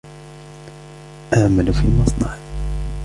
أعمل في مصنع.